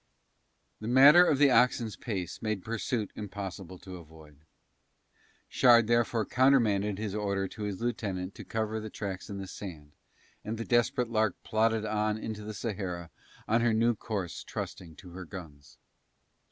The matter of the oxen's pace made pursuit impossible to avoid. Shard therefore countermanded his order to his lieutenant to cover the tracks in the sand, and the Desperate Lark plodded on into the Sahara on her new course trusting to her guns.